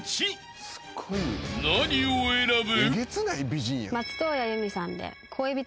［何を選ぶ？］